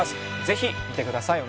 ぜひ見てください。